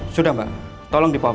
sudah mbak tolong dipaus